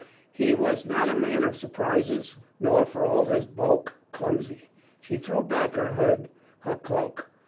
He was not a man of surprises, nor for all his bulk, clumsy. She threw back her hood, her cloak.